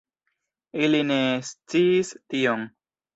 Ili ne sciis tion.